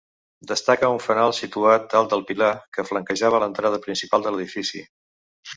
Destaca un fanal situat dalt del pilar que flanqueja l'entrada principal de l'edifici.